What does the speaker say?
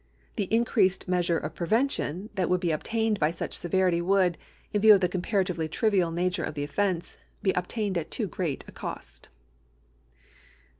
The increased measure of prevention that would be obtained by such severity would, in view of tlie (!omparativcIy trivial nature of the offence, be obtained at too great a cost.